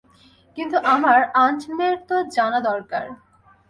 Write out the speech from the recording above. কিন্তু আমার আন্ট মের তো জানা দরকার।